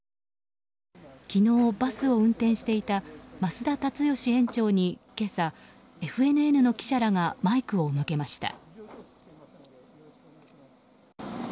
昨日、バスを運転していた増田立義園長に今朝、ＦＮＮの記者らがマイクを向けました。